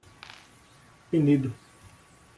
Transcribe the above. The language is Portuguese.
Penedo